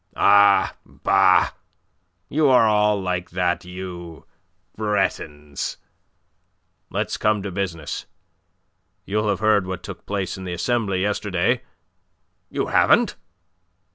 "Ah, bah! You are all like that, you Bretons. Let's come to business. You'll have heard what took place in the Assembly yesterday? You haven't?